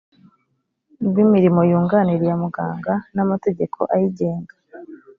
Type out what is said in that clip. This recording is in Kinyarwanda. rw imirimo yunganira iya muganga n amategeko ayigenga